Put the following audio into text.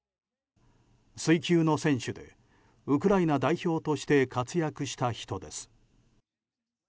水球の選手でウクライナ代表として活躍した人です。